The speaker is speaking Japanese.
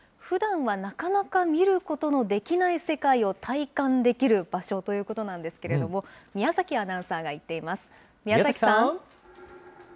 ふだんはなかなか見ることのできない世界を体感できる場所ということなんですけれども、宮崎アナウンサーが行っています。